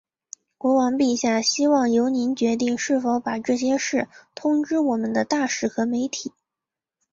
国王陛下希望由您决定是否把这些事通知我们的大使和媒体。